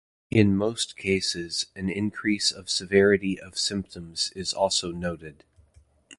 In most cases, an increase of severity of symptoms is also noted.